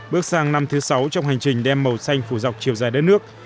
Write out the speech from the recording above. bước sang năm thứ sáu trong hành trình đem màu xanh phủ dọc chiều dài đất nước